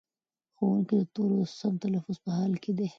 ښوونکی د تورو د سم تلفظ په حال کې دی.